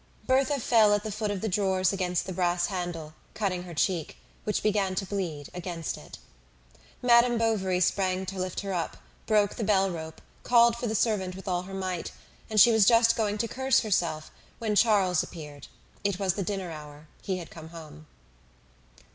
Berthe fell at the foot of the drawers against the brass handle, cutting her cheek, which began to bleed, against it. Madame Bovary sprang to lift her up, broke the bell rope, called for the servant with all her might, and she was just going to curse herself when Charles appeared. It was the dinner hour; he had come home.